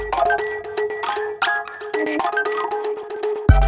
kau mau kemana